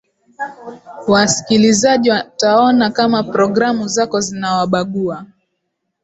wasikilizaji wataona kama programu zako zinawabagua